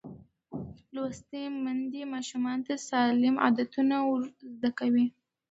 لوستې میندې ماشوم ته سالم عادتونه ورزده کوي.